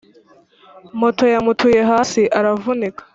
Moto yamutuye hasi aravunika